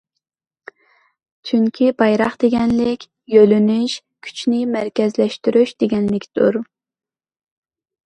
چۈنكى بايراق دېگەنلىك يۆنىلىش، كۈچنى مەركەزلەشتۈرۈش دېگەنلىكتۇر.